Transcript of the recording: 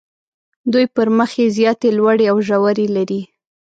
دوی پر مخ یې زیاتې لوړې او ژورې لري.